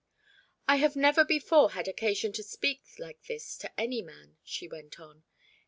"I have never before had occasion to speak like this to any man," she went on.